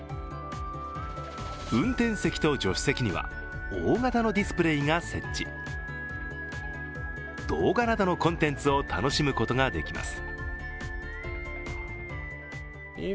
運転席と助手席には大型のディスプレーが設置動画などのコンテンツを楽しむことができます